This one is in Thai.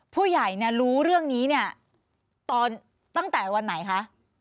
ผู้ใหญ่เนี่ยรู้เรื่องนี้เนี่ยตอนตั้งแต่วันไหนคะ